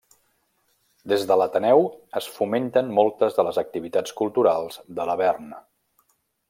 Des de l'Ateneu es fomenten moltes de les activitats culturals de Lavern.